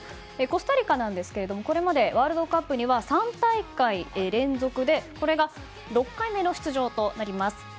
コスタリカはこれまでワールドカップには３大会連続で６回目の出場となります。